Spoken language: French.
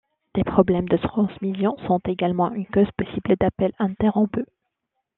Des problèmes de transmission sont également une cause possible d'appels interrompus.